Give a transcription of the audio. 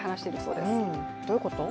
うんどういうこと？